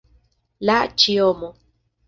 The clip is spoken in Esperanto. La ĉiomo.